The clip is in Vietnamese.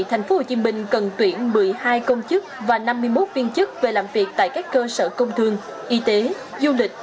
tp hcm cần tuyển một mươi hai công chức và năm mươi một viên chức về làm việc tại các cơ sở công thương y tế du lịch